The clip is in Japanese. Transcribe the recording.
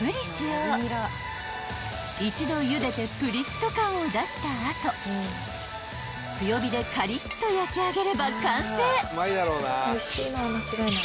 ［一度ゆでてプリッと感を出した後強火でカリッと焼き上げれば完成］